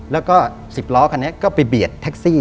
แล้วก็๑๐ล้อคันนี้ก็ไปเบียดแท็กซี่